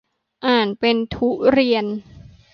อ่านเป็น ทุเรียน